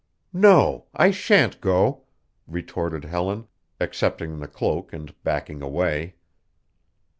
"No, I shan't go," retorted Helen, accepting the cloak and backing away.